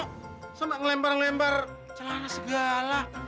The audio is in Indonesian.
kenapa ngelempar ngelempar celana segala